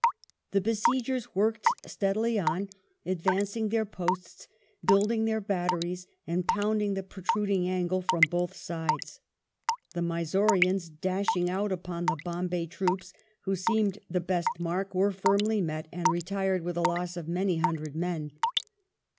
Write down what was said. The besiegers worked steadily on, advancing their posts, building their batteries, and pounding the pro truding angle from both sides. The Mysoreans, dashing out upon the Bombay troops, who seemed the best mark, were firmly met, and retired with a loss of many hundred men.